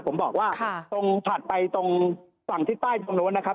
ผมบอกว่าตรงถัดไปตรงฝั่งทิศใต้ตรงนู้นนะครับ